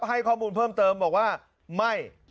ให้ข้อมูลเพิ่มเติมบอกว่าไม่